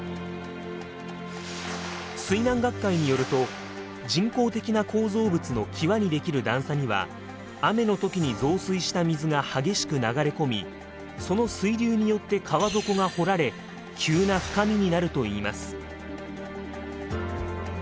水難学会によると人工的な構造物の際にできる段差には雨の時に増水した水が激しく流れ込みその水流によって川底が掘られ急な深みになるといいます。